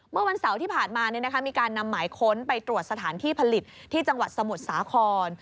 เมื่อวันเสาร์ที่ผ่านมามีการนำหมายค้นไปตรวจสถานที่ผลิตที่จังหวัดสมุทรสาคร